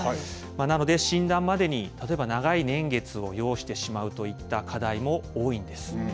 なので、診断までに例えば長い年月を要してしまうといった課題も多いんです。